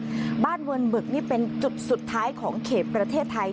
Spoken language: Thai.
บ้านเวิร์นบึกนี่เป็นจุดสุดท้ายของเขตประเทศไทย